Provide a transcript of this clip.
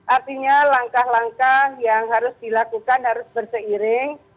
artinya langkah langkah yang harus dilakukan harus berseiring